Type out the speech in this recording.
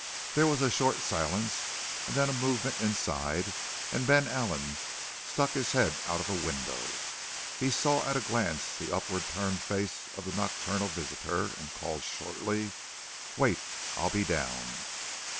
There was a short silence and then a movement inside and Ben Allen stuck his head out of a window. He saw at a glance the upward turned face of the nocturnal visitor and called shortly: "Wait! I'll be down!"